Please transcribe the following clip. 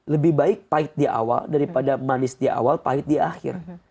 lebih baik pahit di awal daripada manis di awal pahit di akhir